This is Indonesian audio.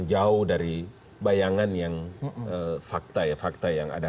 jauh dari bayangan yang fakta ya fakta yang ada